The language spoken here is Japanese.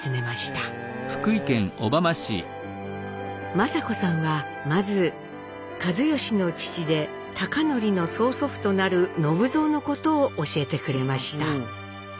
仁子さんはまず一嚴の父で貴教の曽祖父となる信蔵のことを教えてくれました。